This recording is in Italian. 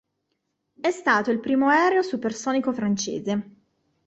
È stato il primo aereo supersonico francese.